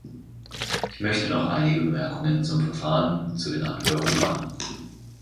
Ich möchte noch einige Bemerkungen zum Verfahren und zu den Anhörungen machen.